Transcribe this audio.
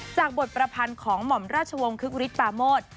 จากบทประพันธ์ของหม่อมราชวงศ์คึกฤทธปาโมท